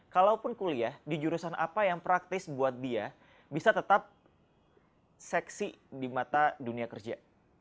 kalaupun kuliah di jurusan apa yang praktis buat dia bisa tetap seksi di mata dunia kerja